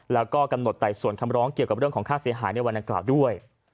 แล้วก็กำหนดไต่สวนคำร้องเกี่ยวกับเรื่องของค่าเสียหายในวันดังกล่าวด้วย